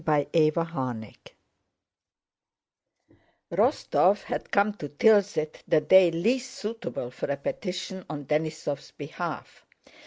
CHAPTER XX Rostóv had come to Tilsit the day least suitable for a petition on Denísov's behalf.